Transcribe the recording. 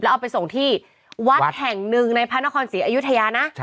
แล้วเอาไปส่งที่วัดแห่งนึงในพนครศรีอายุทยานะ